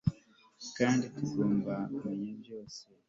Kandi tugomba kumenya byose